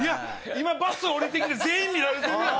今バス降りてきて全員に見られとるやん